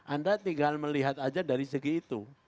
anda tinggal melihat aja dari segi itu